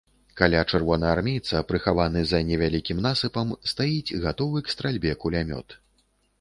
Каля чырвонаармейца, прыхаваны за невялікім насыпам, стаіць гатовы к стральбе кулямёт.